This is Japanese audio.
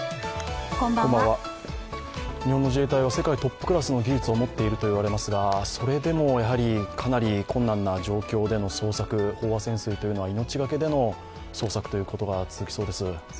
日本の自衛隊は世界トップクラスの技術を持っているといわれますがそれでもかなり困難な状況での捜索、飽和潜水というのは命懸けでの捜索ということが続きそうです。